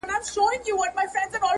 داغه خبره د طایر ځلاند صاحب